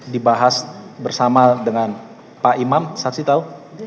dibahas bersama dengan pak imam saksi tahu